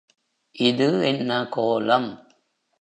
இது என்ன கோலம்?